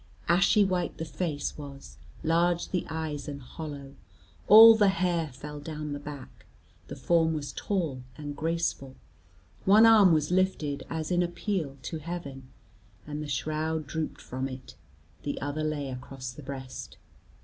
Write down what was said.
Ashy white the face was, large the eyes and hollow, all the hair fell down the back, the form was tall and graceful, one arm was lifted as in appeal, to heaven, and the shroud drooped from it, the other lay across the breast.